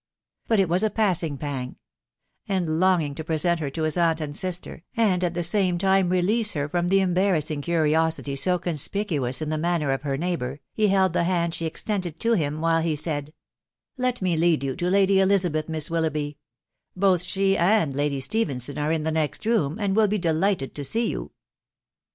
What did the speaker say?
Bnt 8 was a passing pang ; and longing to present her to hie aunt and sister, and at the same time release her from tike embar rassing curiosity so conspicuous in the manner of her neighbour, he held the hand she extended to him while he said — u Let me lead you to Lady Elizabeth, Mist WHlougbby ; both she and Lady Stephenson are in the next room, and wnt be delighted to see yon."